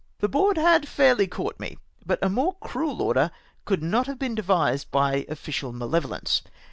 The Board had fairly caught me, but a more cruel order could not have been devised by official male volence.